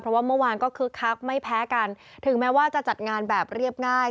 เพราะว่าเมื่อวานก็คึกคักไม่แพ้กันถึงแม้ว่าจะจัดงานแบบเรียบง่าย